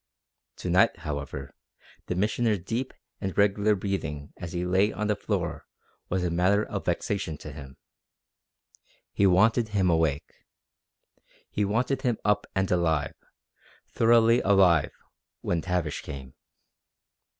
To night, however, the Missioner's deep and regular breathing as he lay on the floor was a matter of vexation to him. He wanted him awake. He wanted him up and alive, thoroughly alive, when Tavish came.